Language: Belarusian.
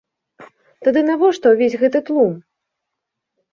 Тады навошта ўвесь гэты тлум?